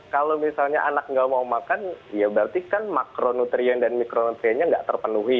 kalau misalnya anak nggak mau makan ya berarti kan makronutrien dan mikronutriennya nggak terpenuhi